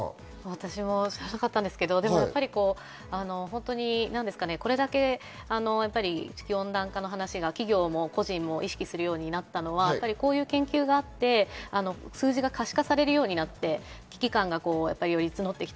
私も知らなかったんですが、これだけ地球温暖化の話が、企業も個人も意識するようになったのはこういった研究があって、数字が可視化されるようになって危機感がより募ってきた。